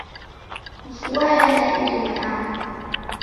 Vua yanya idime aha.